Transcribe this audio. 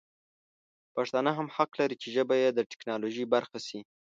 پښتانه هم حق لري چې ژبه یې د ټکنالوژي برخه شي.